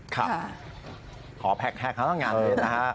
ขอแพ็คข้างต้องการเลยนะฮะ